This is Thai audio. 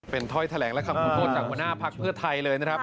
เป็นถ้อยแถลงและคำขอโทษจากหัวหน้าพักเพื่อไทยเลยนะครับ